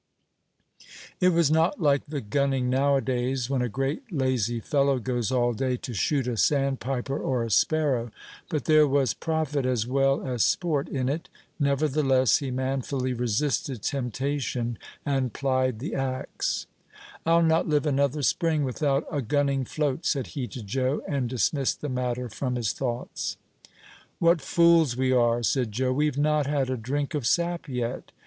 It was not like the gunning nowadays, when a great lazy fellow goes all day to shoot a sandpiper or a sparrow; but there was profit as well as sport in it. Nevertheless, he manfully resisted temptation, and plied the axe. "I'll not live another spring without a gunning float," said he to Joe, and dismissed the matter from his thoughts. "What fools we are!" said Joe; "we've not had a drink of sap yet."